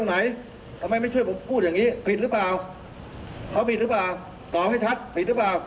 อ่าผิดก็ผิดสิ